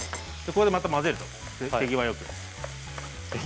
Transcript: これでまた混ぜると手際よく。